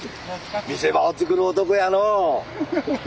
見せ場を作る男やのう。